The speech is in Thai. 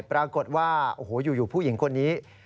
ปรากฏว่าโอ้โหอยู่ผู้หญิงคนนี้